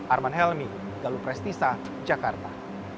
arman helmi galuh prestisa jakarta